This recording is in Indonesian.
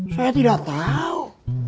saya tidak tahu